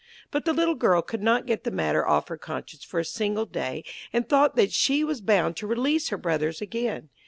But the little girl could not get the matter off her conscience for a single day, and thought that she was bound to release her brothers again.